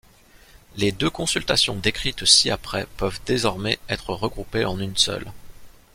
Les deux consultations décrites ci-après peuvent désormais être regroupées en une seule.